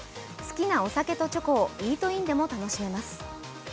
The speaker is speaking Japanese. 好きな酒とチョコをイートインでも楽しめます。